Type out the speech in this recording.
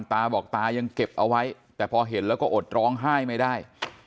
ตาบอกตายังเก็บเอาไว้แต่พอเห็นแล้วก็อดร้องไห้ไม่ได้